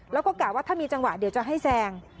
แล้วก็กะว่าถ้ามีจังหวะเดี๋ยวจะให้แซง